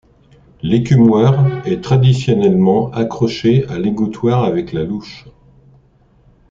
L'écumoire est traditionnellement accrochée à l'égouttoir avec la louche.